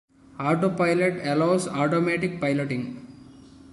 Autopilot allows automatic piloting.